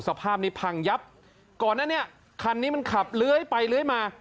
สภาพนี้พังยับก่อนนั้นเนี่ยคันนี้มันขับเลื้อยไปเลื้อยมา